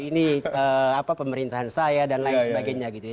ini pemerintahan saya dan lain sebagainya gitu ya